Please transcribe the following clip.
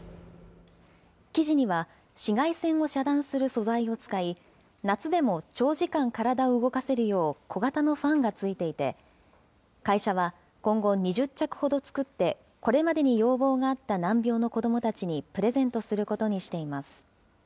生地には、紫外線を遮断する素材を使い、夏でも長時間体を動かせるよう、小型のファンがついていて、会社は今後２０着ほど作って、これまでに要望があった難病の子どもたちにプレゼントすることにしています。